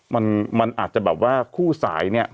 มันอาจจะแบบว่าคู่สาย